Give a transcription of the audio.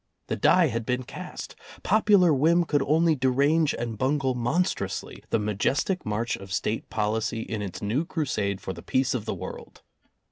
The die had been cast. Popular whim could only derange and bungle monstrously the majestic march of State policy in its new crusade for the peace of the world.